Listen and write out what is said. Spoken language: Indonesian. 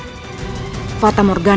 dia akan berjalan